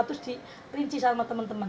terus di rinci sama teman teman